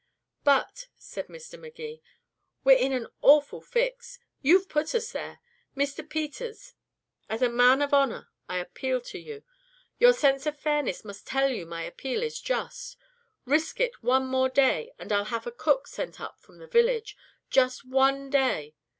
"But," said Mr. Magee, "we're in an awful fix. You've put us there. Mr. Peters, as a man of honor, I appeal to you. Your sense of fairness must tell you my appeal is just. Risk it one more day, and I'll have a cook sent up from the village. Just one day.